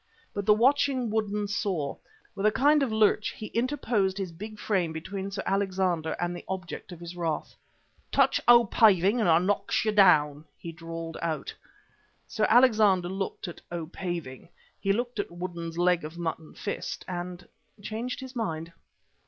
But the watching Woodden saw. With a kind of lurch he interposed his big frame between Sir Alexander and the object of his wrath. "Touch 'O. Paving' and I knocks yer down," he drawled out. Sir Alexander looked at "O. Paving," then he looked at Woodden's leg of mutton fist, and changed his mind.